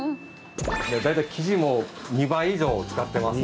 大体生地も２倍以上使ってますので。